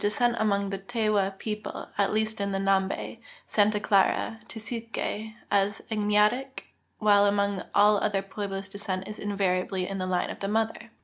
scent among the Tewa people, at least in Xambe, Santa ,;..Clara, and Tesuque, is agnatic, while among all other ^meblos descent is invariably in the line of the mother.